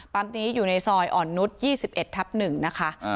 ปั๊มนี้อยู่ในซอยอ่อนนุษยี่สิบเอ็ดทับหนึ่งนะคะอ่า